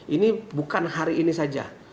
ini bukan hari ini saja